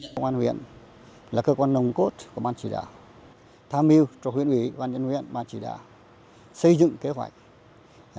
công an huyện là cơ quan nồng cốt của ban chỉ đạo tham mưu cho huyện ủy ban nhân huyện ban chỉ đạo xây dựng kế hoạch